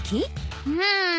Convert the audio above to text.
うん。